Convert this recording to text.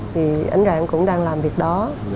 thì ảnh dạng cũng đang làm việc đó